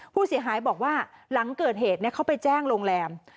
ผู้เสียหายบอกว่าหลังเกิดเหตุเขาไปแจ้งโรงแรม